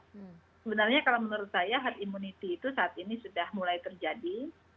sebenarnya kalau menurut saya herd immunity itu saat ini sudah mulai terjadi